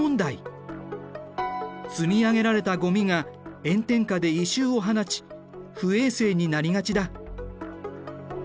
積み上げられたゴミが炎天下で異臭を放ち不衛生になりがちだ。